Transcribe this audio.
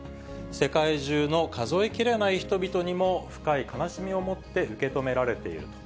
世界中の数えきれない人々にも深い悲しみをもって受け止められている。